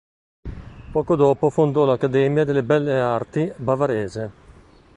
Poco dopo fondò l'Accademia delle Belle Arti Bavarese.